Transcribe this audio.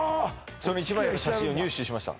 その１枚の写真を入手しました